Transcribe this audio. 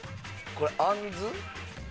これあんず？